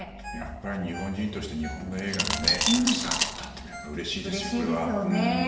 やっぱり日本人として日本の映画がオスカーをとったというのはうれしいですよね。